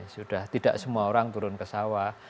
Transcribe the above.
sudah tidak semua orang turun ke sawah